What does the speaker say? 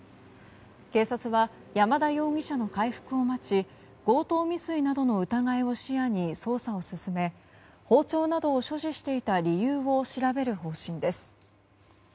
警察は山田容疑者の回復を待ち強盗未遂などの疑いを視野に捜査を進め包丁などを所持していた理由を調べる方針です。